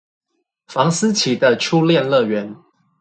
房思琪的初戀樂園